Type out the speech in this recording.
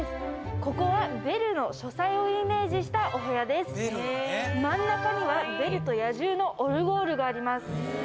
さらにここは真ん中にはベルと野獣のオルゴールがあります